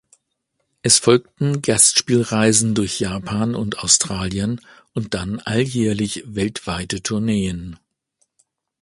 Es folgten Gastspielreisen durch Japan und Australien und dann alljährlich weltweite Tourneen.